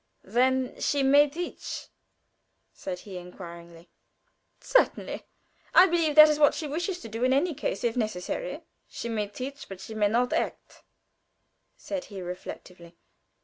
"Then she may teach?" said he, inquiringly. "Certainly. I believe that is what she wishes to do, in case if necessary." "She may teach, but she may not act," said he, reflectively.